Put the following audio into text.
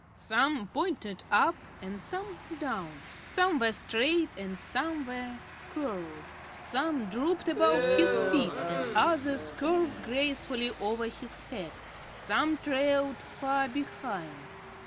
Some pointed up and some down; some were straight and some were curled; some drooped about his feet and others curved gracefully over his head; some trailed far behind.